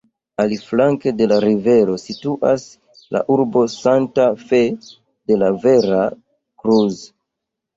Aliflanke de la rivero situas la urbo Santa Fe de la Vera Cruz.